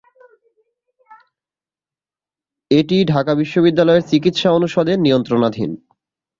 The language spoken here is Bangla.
এটি ঢাকা বিশ্ববিদ্যালয়ের চিকিৎসা অনুষদের নিয়ন্ত্রণাধীন।